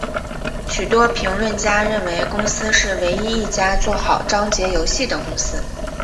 许多评论家认为公司是唯一一家做好章节游戏的公司。